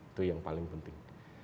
itu yang paling penting